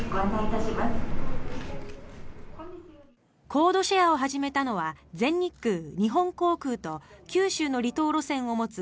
コードシェアを始めたのは全日空、日本航空と九州の離島路線を持つ